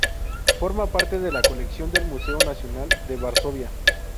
Forma parte de la colección del Museo Nacional de Varsovia.